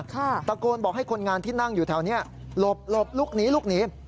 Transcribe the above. ตะโกนบอกให้คนงานที่นั่งอยู่แถวนี้หลบหลบลุกหนีลุกหนี